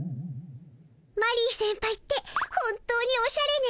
マリー先輩って本当におしゃれね。